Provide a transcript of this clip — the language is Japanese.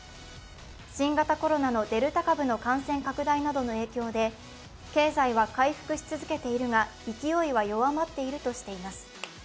新型コロナのデルタ株の感染拡大などの影響で経済は回復し続けているが、勢いは弱まっているとしています。